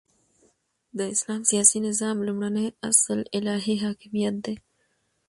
د اسلام سیاسی نظام لومړنی اصل الهی حاکمیت دی،